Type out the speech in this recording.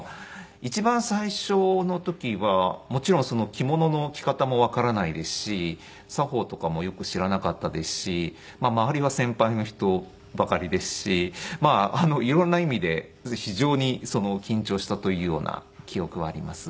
一番最初の時はもちろん着物の着方もわからないですし作法とかもよく知らなかったですし周りは先輩の人ばかりですし色んな意味で非常に緊張したというような記憶はあります。